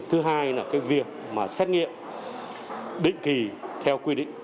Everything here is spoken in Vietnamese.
thứ hai là cái việc mà xét nghiệm định kỳ theo quy định